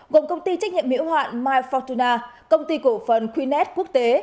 gồm công ty trách nhiệm hiểu hoạn myfortuna công ty cổ phần queenette quốc tế